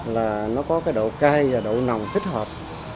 là nó có độ cay và độ nồng thích hợp